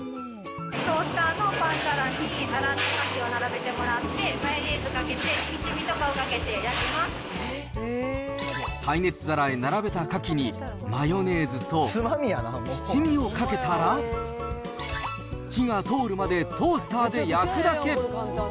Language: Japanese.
トースターのパン皿に洗ったカキを並べてもらって、マヨネーズかけて、耐熱皿へ並べたカキに、マヨネーズと七味をかけたら、火が通るまでトースターで焼くだけ。